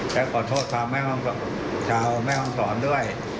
แต่ขอโทษความแม่ห้องสอนด้วย